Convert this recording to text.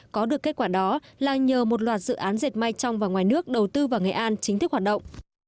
có được kết quả đó là nhờ một loạt dự án dệt may trong và ngoài nước đầu tư vào nghệ an chính thức hoạt động